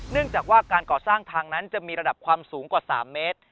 เนื่องจากว่าการก่อสร้างทางนั้นจะมีระดับความสูงกว่า๓เมตร